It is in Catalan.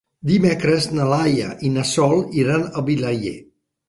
Dimecres na Laia i na Sol iran a Vilaller.